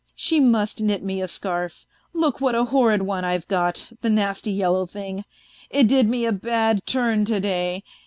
She must knit me a scarf ; look what a horrid one I've got, the nasty yellow thing, it did me a bad turn to day